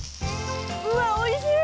うわっおいしい！